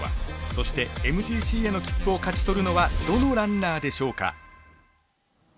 そしてＭＧＣへの切符を勝ち取るのはどのランナーでしょうか。